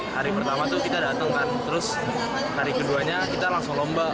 hari pertama tuh kita datang kan terus hari keduanya kita langsung lomba